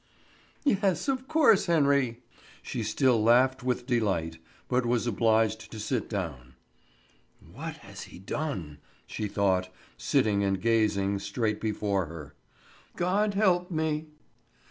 "Yes, of course, Henry." She still laughed with delight, but was obliged to sit down. "What has he done?" she thought, sitting and gazing straight before her. "God help me!"